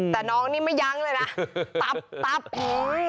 แต่น้องนี่ไม่ยั้งเลยนะตับตับ